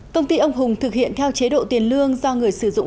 công ty ông hùng thực hiện theo chế độ tiền lương do người sử dụng